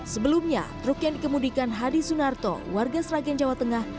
sebelumnya truk yang dikemudikan hadi sunarto warga sragen jawa tengah